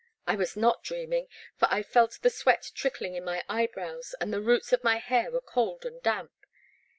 I was not dreaming, for I felt the sweat trickling in my eyebrows, and the roots of my hair were cold and damp.